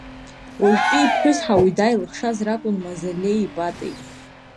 Уажәтәи иԥҳәыс Ҳауида илыхшаз ракәын Мзалеии Батеи.